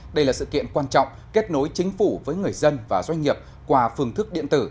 đây là sự kiện quan trọng kết nối chính phủ với người dân và doanh nghiệp qua phương thức điện tử